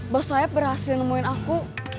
bos saya berhasil nemuin aku